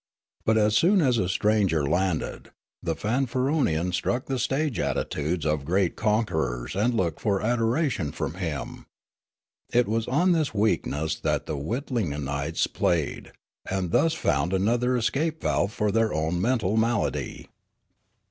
But as soon as a stranger landed, the Fanfaronians struck the stage attitudes of great conquerors and looked for adoration from him. It was on this weakness that the Witlingenites played, and thus found another escape valve for their own mental malady.